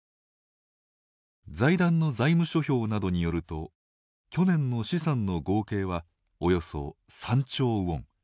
財団の財務諸表などによると去年の資産の合計はおよそ３兆ウォン。